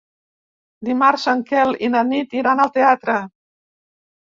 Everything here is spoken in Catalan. Dimarts en Quel i na Nit iran al teatre.